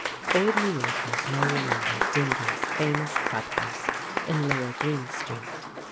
Old New Yorkers may remember Dingee's famous Club House in lower Greene Street.